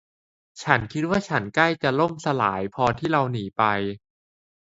ฉันคิดว่าฉันใกล้จะล่มสลายพอที่เราหนีไป